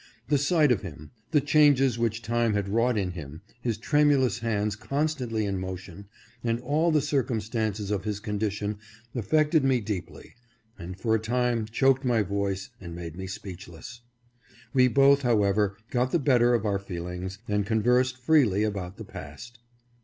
The sight of him, the changes which time had wrought in him, his tremulous hands constantly in motion, and all the circumstances of his condition affected me deeply, and for a time choked my voice and made me speechless. We both, however, got the better of our feelings, and conversed freely about the past.